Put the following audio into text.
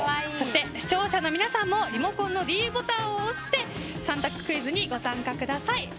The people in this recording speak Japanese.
そして、視聴者の皆さんもリモコンのｄボタンを押して３択クイズにご参加ください。